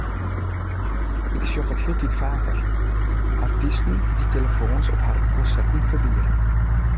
Ik sjoch it hieltyd faker: artysten dy’t telefoans op harren konserten ferbiede.